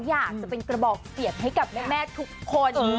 อยากจะเป็นกระบอกเสียงให้กับแม่ทุกคน